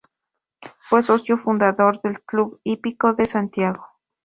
Fue socio fundador del Club Hípico de Santiago.